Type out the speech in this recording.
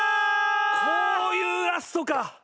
こういうラストか。